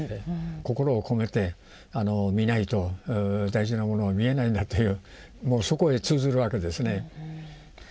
心を込めて見ないと大事なものは見えないんだというもうそこへ通ずるわけですね。